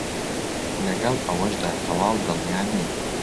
لەگەڵ ئەوەشدا تەواو دڵنیا نیم